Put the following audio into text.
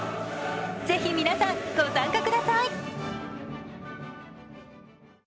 ぜひ皆さん、ご参加ください。